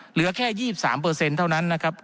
เหลือแค่๒๓เท่านั้นนะครับ